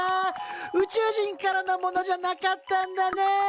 宇宙人からのものじゃなかったんだね。